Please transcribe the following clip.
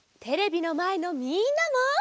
テレビのまえのみんなも。